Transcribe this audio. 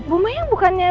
bu maya bukannya